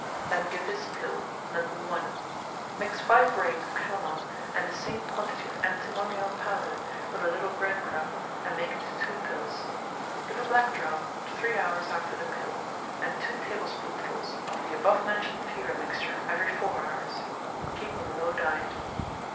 Then give this pill (No. 1); Mix five grains of calomel and the same quantity of antimonial powder with a little bread crumb, and make into two pills. Give a black draught three hours after the pill, and two tablespoonfuls of the above mentioned fever mixture every four hours. Keep on low diet.